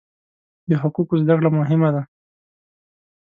د حقوقو زده کړه مهمه ده.